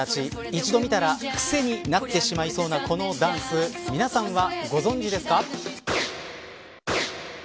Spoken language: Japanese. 一度見たらくせになってしまいそうなこのダンス皆さんはご存じですか。